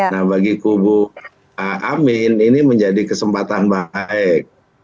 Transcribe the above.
nah bagi kubu amin ini menjadi kesempatan baik